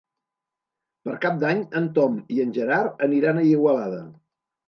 Per Cap d'Any en Tom i en Gerard aniran a Igualada.